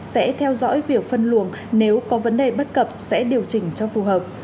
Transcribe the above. sẽ theo dõi việc phân luồng nếu có vấn đề bất cập sẽ điều chỉnh cho phù hợp